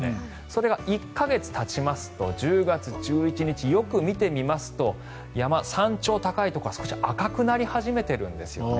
それが１か月たちますと１０月１１日よく見てみますと山、山頂、高いところは少し赤くなり始めているんですね。